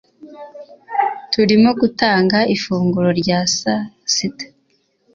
Turimo gutanga ifunguro rya saa sita